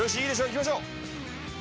いきましょう！